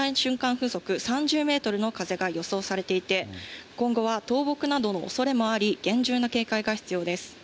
風速３０メートルの風が予想されていて、今後は倒木などのおそれもあり、厳重な警戒が必要です。